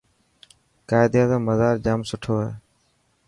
قائداعظم مزار ڄام سٺوهي.